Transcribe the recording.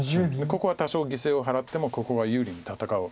ここは多少犠牲を払ってもここは有利に戦う。